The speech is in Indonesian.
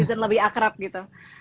dan lebih akrab gitu